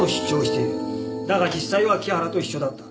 だが実際は木原と一緒だった。